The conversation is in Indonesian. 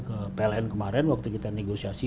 ke pln kemarin waktu kita negosiasi